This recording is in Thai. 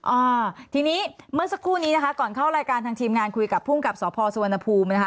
อ่าทีนี้เมื่อสักครู่นี้นะคะก่อนเข้ารายการทางทีมงานคุยกับภูมิกับสพสุวรรณภูมินะคะ